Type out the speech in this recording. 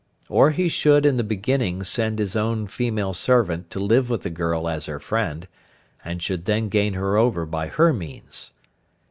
Or he should in the beginning send his own female servant to live with the girl as her friend, and should then gain her over by her means.